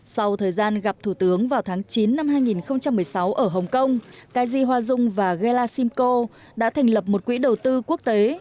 sau thời gian gặp thủ tướng vào tháng chín năm hai nghìn một mươi sáu ở hồng kông kaiji hoa dung và gela simcoe đã thành lập một quỹ đầu tư quốc tế